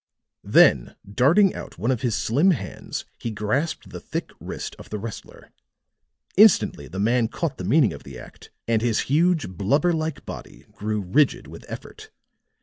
Then darting out one of his slim hands he grasped the thick wrist of the wrestler. Instantly the man caught the meaning of the act and his huge, blubber like body grew rigid with effort.